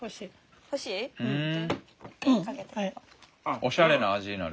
おしゃれな味になる。